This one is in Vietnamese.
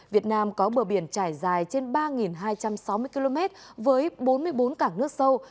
việt nam có bờ biển trải dài trên ba hai trăm sáu mươi km với bốn mươi bốn cảng nước sâu